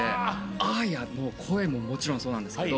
あーやの声ももちろんそうなんですけど。